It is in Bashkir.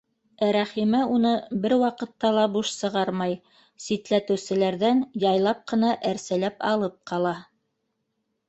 Ә Рәхимә уны бер ваҡытта ла буш сығармай, ситләтеүселәрҙән яйлап ҡына әрсәләп алып ҡала.